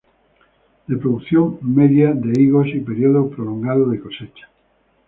De producción media de higos y periodo prolongado de cosecha.